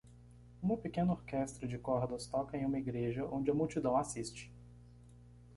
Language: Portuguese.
Uma pequena orquestra de cordas toca em uma igreja onde a multidão assiste.